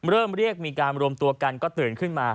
เรียกมีการรวมตัวกันก็ตื่นขึ้นมา